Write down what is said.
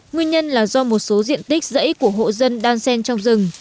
nguyên nhân là do một số diện tích rẫy của hộ dân đang sen trong rừng